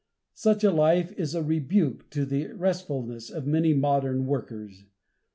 Such a life is a rebuke to the restlessness of many modern workers.